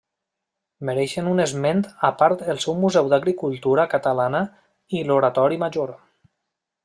Mereixen un esment a part el Museu de l'Agricultura Catalana i l'Oratori Major.